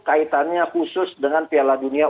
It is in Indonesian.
kaitannya khusus dengan piala dunia